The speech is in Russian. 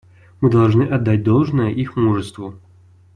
Мы должны отдать должное их мужеству.